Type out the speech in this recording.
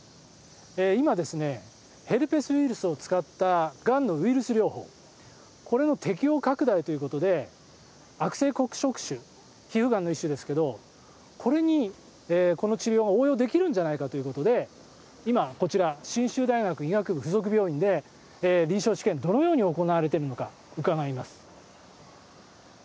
今、ヘルペスウイルスを使ったがんのウイルス療法これの適用拡大ということで悪性黒色腫皮膚がんの１種ですがこれに治療が応用できるんじゃないかということで今、こちら信州大学医学部附属病院で臨床試験がどのように行われているのか伺います。